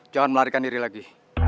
jangan melarikan diri lagi